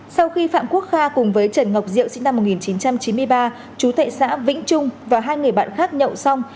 sau khi phạm quốc kha cùng với trần ngọc diệu sinh năm một nghìn chín trăm chín mươi ba chú thệ xã vĩnh trung và hai người bạn khác nhậu xong